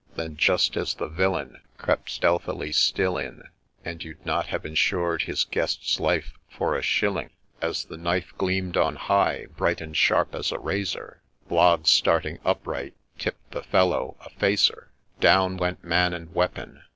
Then, just as the villain Crept, stealthily still, in, And you'd not have insur'd his guest's life for a shilling, As the knife gleam'd on high, bright and sharp as a razor, Blogg, starting upright, ' tipped ' the fellow ' a facer ;'—— Down went man and weapon.